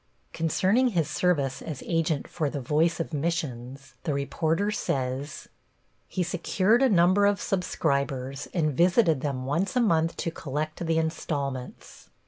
Concerning his service as agent for the Voice of Missions, the reporter says: He secured a number of subscribers and visited them once a month to collect the installments.